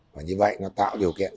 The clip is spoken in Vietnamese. và như vậy nó tạo điều kiện